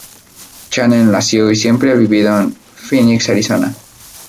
Chanel nació y siempre ha vivido en Phoenix, Arizona.